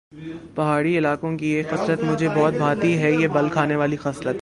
پہاڑی علاقوں کی یہ خصلت مجھے بہت بھاتی ہے یہ بل کھانے والی خصلت